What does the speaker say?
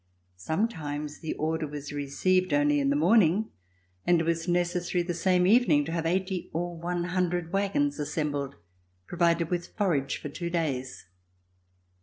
Sometimes the order was received only in the morning, and it was necessary the same even ing to have eighty or one hundred wagons assembled, provided with forage for two days.